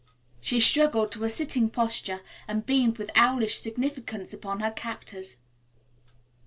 She struggled to a sitting posture and beamed with owlish significance upon her captors.